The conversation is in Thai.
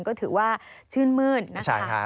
ก็ถือว่าชื่นมื้นนะคะ